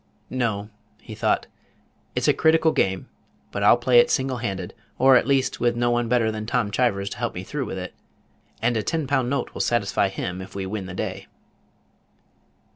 "No," he thought, "it's a critical game; but I'll play it single handed, or, at least, with no one better than Tom Chivers to help me through with it; and a ten pound note will satisfy him, if we win the day."